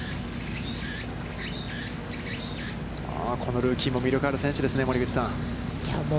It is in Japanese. このルーキーも魅力ある選手ですね、森口さん。